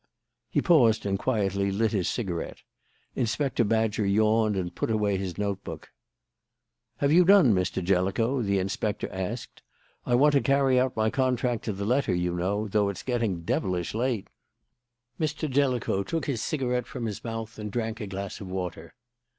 He paused and quietly lit his cigarette. Inspector Badger yawned and put away his note book. "Have you done, Mr. Jellicoe?" the inspector asked. "I want to carry out my contract to the letter, you know, though it's getting devilish late." Mr. Jellicoe took his cigarette from his mouth and drank a glass of water.